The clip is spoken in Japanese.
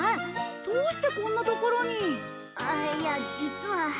どうしてこんな所に？ああいや実は。